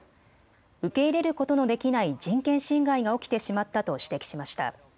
受け入れることのできない人権侵害が起きてしまったと指摘しました。